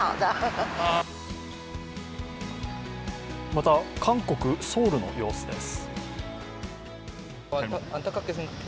また、韓国ソウルの様子です。